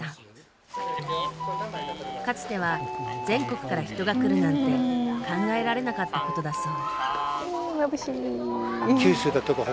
かつては全国から人が来るなんて考えられなかったことだそう。